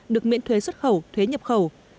được miễn thuế xuất khẩu thuế nhập khẩu